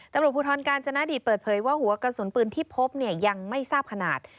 ตำรวจภูทรกาญจนดิตเปิดเผยว่าหัวกระสุนปืนที่พบเนี่ยยังไม่ทราบขนาด